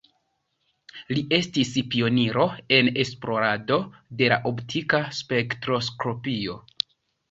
Li estis pioniro en esplorado de la optika spektroskopio.